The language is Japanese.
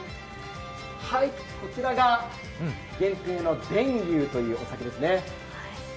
こちらが限定の田友というお酒ですね。